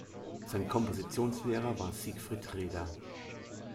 Sein Kompositionslehrer war Siegfried Reda.